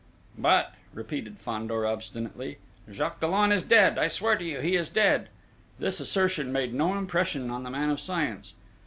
"But," repeated Fandor obstinately: "Jacques Dollon is dead! I swear to you he is dead!..." This assertion made no impression on the man of science.